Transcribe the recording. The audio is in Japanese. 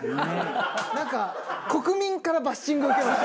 なんか国民からバッシングを受けました。